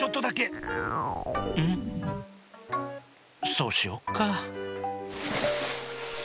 そうしよっか。